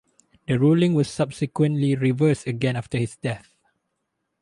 The ruling was subsequently reversed again after his death.